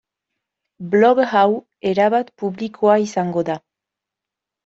Blog hau erabat publikoa izango da.